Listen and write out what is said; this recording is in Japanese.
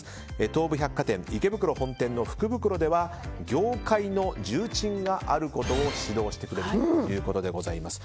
東武百貨店池袋本店の福袋では業界の重鎮があることを指導してくれるということでございます。